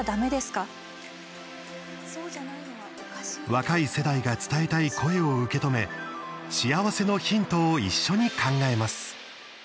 若い世代が伝えたい声を受け止め幸せのヒントを一緒に考えます。